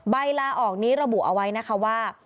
ใบลาออกนี้ระบุเอาไว้นะคะว่า